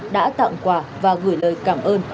đã tặng quà và gửi lời cảm ơn